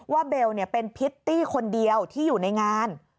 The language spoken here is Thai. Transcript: เบลเป็นพิตตี้คนเดียวที่อยู่ในงาน